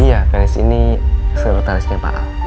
iya felis ini sekretarisnya pak al